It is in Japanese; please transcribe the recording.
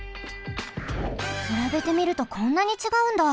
くらべてみるとこんなにちがうんだ。